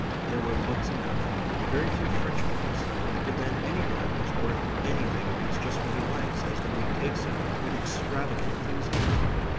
There were books enough; very few French books; but then any one who's worth anything reads just what he likes, as the mood takes him, with extravagant enthusiasm.